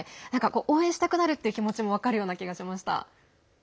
応援したくなるという気持ちも分かる気がしました。